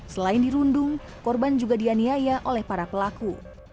selain dirundung korban juga dianiaya oleh para pelaku